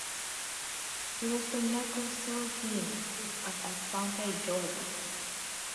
He was the Nkosuohene(progress chief) of Asante Juaben.